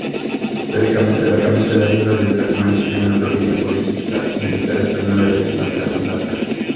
Históricamente, las islas de Calamianes constituían la provincia político-militar española de Calamianes.